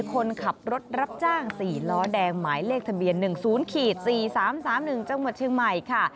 คนขับรถรับจ้าง๔ล้อแดงหมายเลขทะเบียน๑๐๔๓๓๑จังหวัดเชียงใหม่ค่ะ